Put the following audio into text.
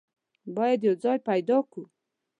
بايد يو ځای پيدا کو.